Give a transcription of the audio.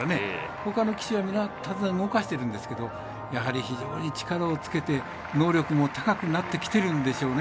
ほかの騎手はみんな手綱を動かしてるんですけどやはり非常に力をつけて能力も高くなってきてるんでしょうね。